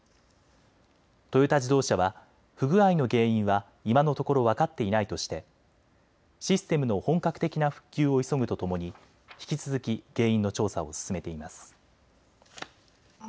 トヨタ自動車は不具合の原因は今のところ分かっていないとしてシステムの本格的な復旧を急ぐとともに引き続き原因の調査を進めています。